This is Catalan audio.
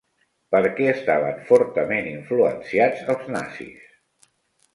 Per què estaven fortament influenciats els nazis?